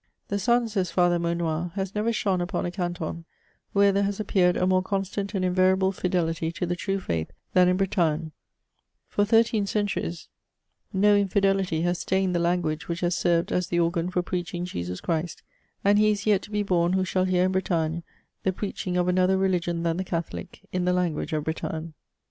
" The sun," says Father Maunoir, *' has never shone upon a canton, where there has appeared a more constant and invariable fidelity to the true faith than in Bretagne« For thirteen centuries, no 70 MEMOIRS OF infidelitj has stained the language which has served as the organ for preaching Jesus Christ, and he is yet to be bom who shall hear in Bretagne the preaching of another religion than the Catholic, in the language of Bretagne."